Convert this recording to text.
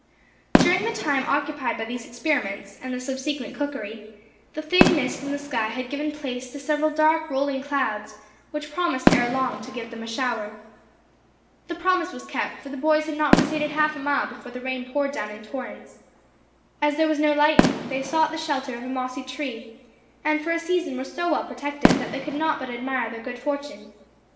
During the time occupied by these experiments, and the subsequent cookery, the thin mist in the sky had given place to several dark rolling clouds, which promised ere long to give them a shower. The promise was kept; for the boys had not proceeded half a mile before the rain poured down in torrents. As there was no lightning, they sought the shelter of a mossy tree, and for a season were so well protected that they could not but admire their good fortune.